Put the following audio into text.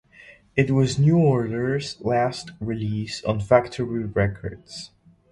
It was New Order's last release on Factory Records.